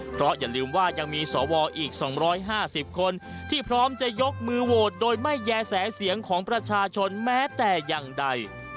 เพราะอย่าลืมว่ายังมีสวอีก๒๕๐คนที่พร้อมจะยกมือโหวตโดยไม่แย่แสเสียงของประชาชนแม้แต่อย่างใด